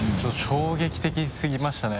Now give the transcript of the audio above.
衝撃的すぎましたね。